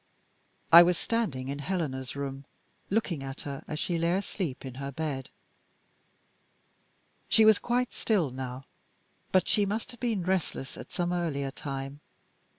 I was standing in Helena's room, looking at her as she lay asleep in her bed. She was quite still now; but she must have been restless at some earlier time.